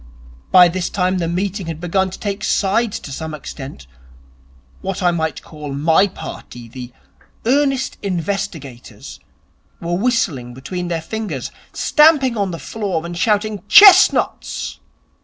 By this time the meeting had begun to take sides to some extent. What I might call my party, the Earnest Investigators, were whistling between their fingers, stamping on the floor, and shouting, "Chestnuts!"